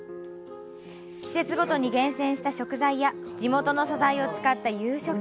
季節ごとに厳選した食材や地元の素材を使った夕食。